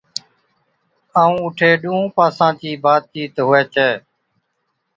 ائُون اُٺي ڏُونھُون پاسا چِي بات چيت ھُوي ڇَي